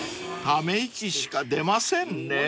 ［ため息しか出ませんね］